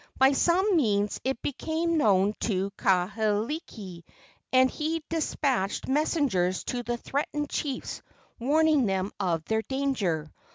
By some means it became known to Kahekili, and he despatched messengers to the threatened chiefs, warning them of their danger.